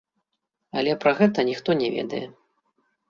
Але пра гэта ніхто не ведае.